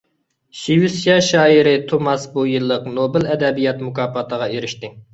شىۋېتسىيە شائىرى توماس بۇ يىللىق نوبېل ئەدەبىيات مۇكاپاتىغا ئېرىشتى.